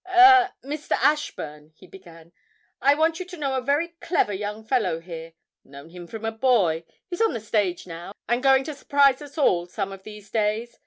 'Er Mr. Ashburn,' he began, 'I want you to know a very clever young fellow here known him from a boy he's on the stage now, and going to surprise us all some of these days.